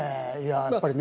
やっぱりね。